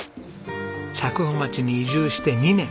佐久穂町に移住して２年。